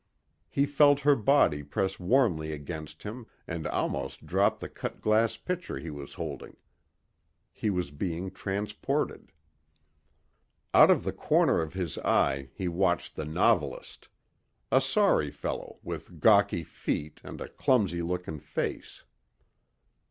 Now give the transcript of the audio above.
He felt her body press warmly against him and almost dropped the cut glass pitcher he was holding. He was being transported. Out of the corner of his eye he watched the novelist. A sorry fellow with gawky feet and a clumsy looking face.